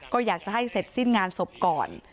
ก็อยากจะให้เสร็จสิ้นงานศพก่อน